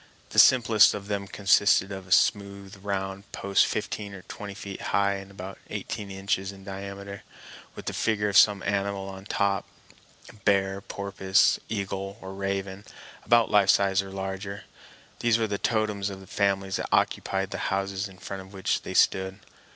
The simplest of them consisted of a smooth, round post fifteen or twenty feet high and about eighteen inches in diameter, with the figure of some animal on top—a bear, porpoise, eagle, or raven, about life size or larger. These were the totems of the families that occupied the houses in front of which they stood.